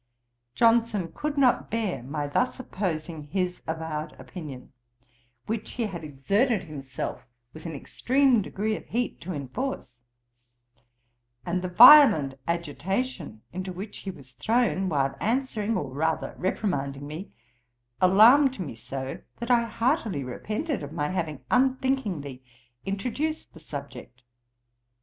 Johnson could not bear my thus opposing his avowed opinion, which he had exerted himself with an extreme degree of heat to enforce; and the violent agitation into which he was thrown, while answering, or rather reprimanding me, alarmed me so, that I heartily repented of my having unthinkingly introduced the subject.